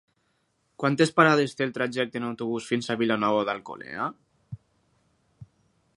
Quantes parades té el trajecte en autobús fins a Vilanova d'Alcolea?